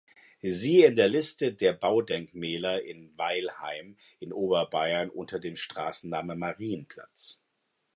Siehe in der Liste der Baudenkmäler in Weilheim in Oberbayern unter dem Straßennamen "Marienplatz".